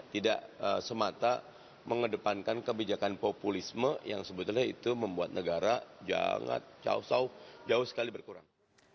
tidak semata mengedepankan kebijakan populisme yang sebetulnya itu membuat negara jangan jauh jauh sekali berkurang